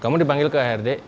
kamu dipanggil ke ard